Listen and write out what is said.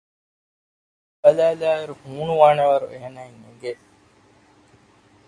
ބޭރު ބަލާލިއިރު ހޫނުވާނެ ވަރު އޭނާއަށް އެނގެ